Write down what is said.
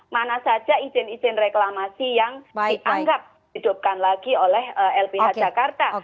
mana saja izin izin reklamasi yang dianggap hidupkan lagi oleh lbh jakarta